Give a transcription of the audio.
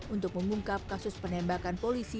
untuk mengungkap kasus penembakan polisi